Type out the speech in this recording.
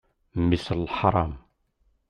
Mmi-s n leḥṛam!